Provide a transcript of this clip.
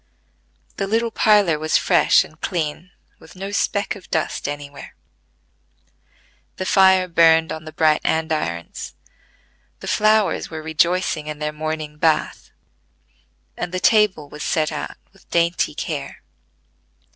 The little parlor was fresh and clean, with no speck of dust anywhere; the fire burned on the bright andirons; the flowers were rejoicing in their morning bath; and the table was set out with dainty care.